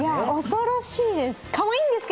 恐ろしいです。